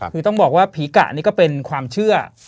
คือต้องบอกว่าผีกะนี่ก็เป็นความเชื่อ